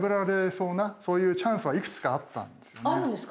あるんですか？